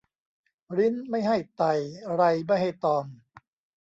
ริ้นไม่ให้ไต่ไรไม่ให้ตอม